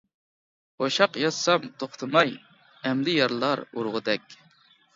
قوشاق يازسام توختىماي، ئەمدى يارلار ئۇرغۇدەك.